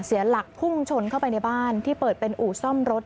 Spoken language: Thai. เสียหลักพุ่งชนเข้าไปในบ้านที่เปิดเป็นอู่ซ่อมรถ